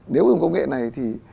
nếu dùng công nghệ này thì